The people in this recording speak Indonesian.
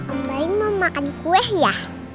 om baim mau makan kue ya